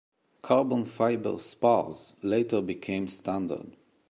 Carbon fiber spars later became standard.